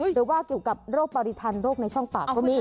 หรือว่าเกี่ยวกับโรคปริทันโรคในช่องปากก็มี